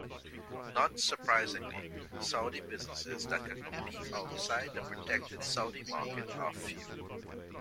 Not surprisingly, Saudi businesses that can compete outside the protected Saudi market are few.